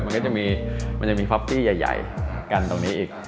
มันก็จะมีฟับที่ใหญ่กันตรงนี้อีก